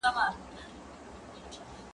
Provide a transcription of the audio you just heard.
انځور د زده کوونکي له خوا کتل کيږي!.